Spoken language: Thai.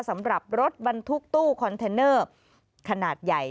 สำหรับรถบรรทุกตู้คอนเทนเนอร์ขนาดใหญ่